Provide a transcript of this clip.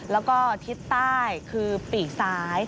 แล้วก็ทิศใต้คือปีกซ้าย